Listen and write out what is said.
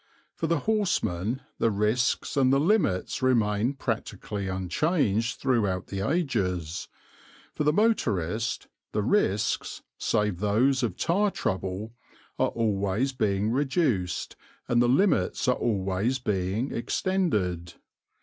For the horseman the risks and the limits remain practically unchanged throughout the ages; for the motorist the risks, save those of tire trouble, are always being reduced and the limits are always being extended.